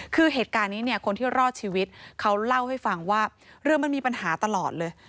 คือเหตุการณ์นี้เนี่ยคนที่รอดชีวิตเขาเล่าให้ฟังว่าเรือมันมีปัญหาตลอดเลย